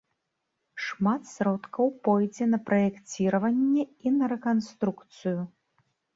Шмат сродкаў пройдзе на праекціраванне і на рэканструкцыю.